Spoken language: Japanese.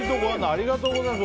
ありがとうございます。